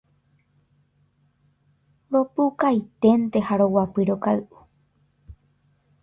Ropukainténte ha roguapy rokay'u